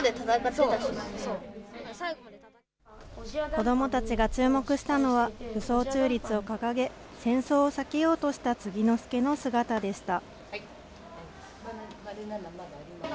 子どもたちが注目したのは、武装中立を掲げ、戦争を避けようとした継之助の姿でした。